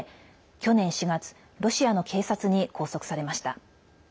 去年４月ロシアの警察に拘束されました。